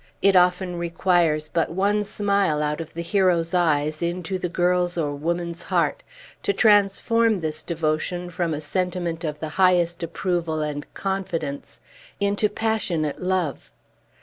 It often requires but one smile out of the hero's eyes into the girl's or woman's heart, to transform this devotion, from a sentiment of the highest approval and confidence, into passionate love.